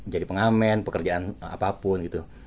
jadi pengamen pekerjaan apapun gitu